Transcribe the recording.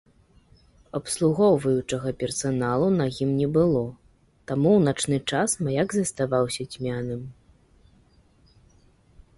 Абслугоўваючага персаналу на ім не было, таму ў начны час маяк заставаўся цьмяным.